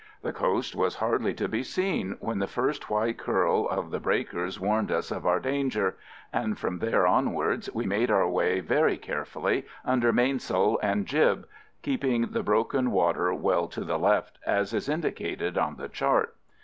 The coast was hardly to be seen when the first white curl of the breakers warned us of our danger, and from there onwards we made our way very carefully under mainsail and jib, keeping the broken water well to the left, as is indicated on the chart.